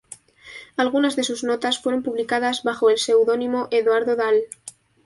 Algunas de sus notas fueron publicadas bajo el seudónimo Eduardo Dahl.